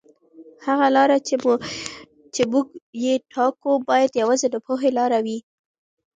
هغه لاره چې موږ یې ټاکو باید یوازې د پوهې لاره وي.